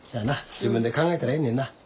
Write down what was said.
自分で考えたらええねんな。